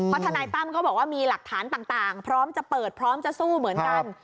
เพราะทนายตั้มก็บอกว่ามีหลักฐานต่างพร้อมจะเปิดพร้อมจะสู้เหมือนกัน